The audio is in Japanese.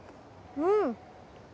うん！